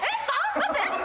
待って。